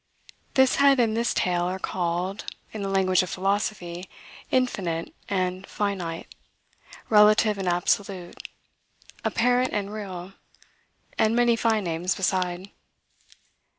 This head and this tail are called, in the language of philosophy, Infinite and Finite; Relative and Absolute; Apparent and Real; and many fine names beside.